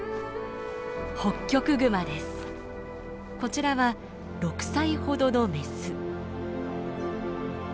こちらは６歳ほどのメス。